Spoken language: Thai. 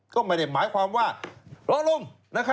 ก็ไม่ได้หมายความว่ารอลง